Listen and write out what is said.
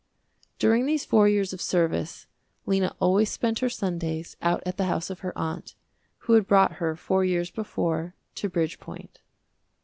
During these four years of service, Lena always spent her Sundays out at the house of her aunt, who had brought her four years before to Bridgepoint.